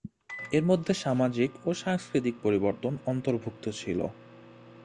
এর মধ্যে সামাজিক ও সাংস্কৃতিক পরিবর্তন অন্তর্ভুক্ত ছিল।